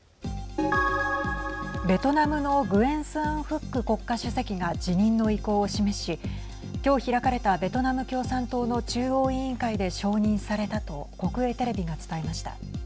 ベトナムのグエン・スアン・フック国家主席が辞任の意向を示し今日開かれたベトナム共産党の中央委員会で承認されたと国営テレビが伝えました。